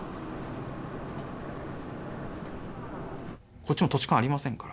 こっちも土地勘ありませんから。